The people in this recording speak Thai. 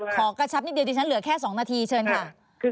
ขอกระชับนิดเดียวดิฉันเหลือแค่๒นาทีเชิญค่ะ